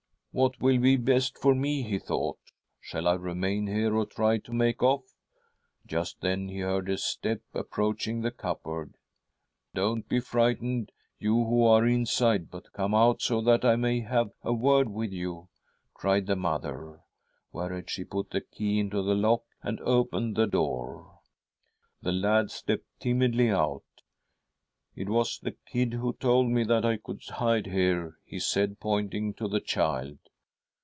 ' What will be best for me ?' he thought. ' Shall I remain here or try to make off? ' Just then he heard a step approaching the cupboard. 'Don't be frightened, you who are inside, but come out so that I may have a word with you,' cried the mother. Whereat she put the key into the lock and opened the door. The lad stepped timidly put. 'It was the kid who told me that T could hide here,' he said, pointing to the child.